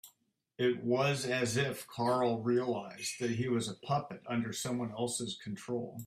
It was as if Carl realised that he was a puppet under someone else's control.